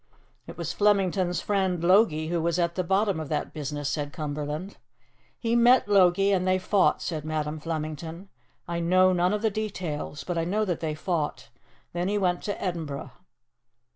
"It was Flemington's friend, Logie, who was at the bottom of that business," said Cumberland. "He met Logie and they fought," said Madam Flemington. "I know none of the details, but I know that they fought. Then he went to Edinburgh."